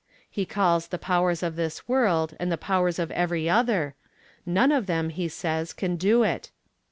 He calls the Powers of this World and the Powers of Every Other; none of them, he says, can do it!